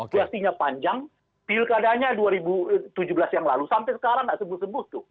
ketika panjang pilkadanya dua ribu tujuh belas yang lalu sampai sekarang nggak sembuh sembuh tuh